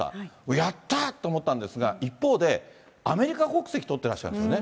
やったーと思ったんですが、一方で、アメリカ国籍取ってらっしゃるんですね。